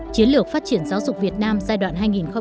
chiến lược phát triển giáo dục việt nam giai đoạn hai nghìn hai mươi